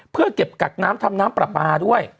เพื่อเก็บกักน้ำทำน้ำปลาปลาด้วย